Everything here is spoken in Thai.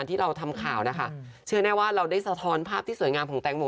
ที่เราทำข่าวนะคะเชื่อแน่ว่าเราได้สะท้อนภาพที่สวยงามของแตงโม